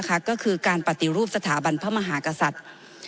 ก็คือการปฏิรูปสถาบันพระมหากษัตริย์